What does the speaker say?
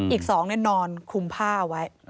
อีก๒นอนคลุมผ้าไว้